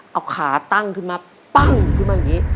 เอาขาตั้งขึ้นมาปั้งขึ้นมาอย่างนี้